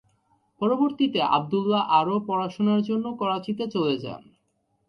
পরবর্তীতে আবদুল্লাহ আরও পড়াশোনার জন্য করাচিতে চলে যান।